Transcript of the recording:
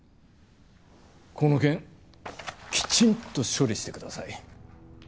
この件きちんと処理してください。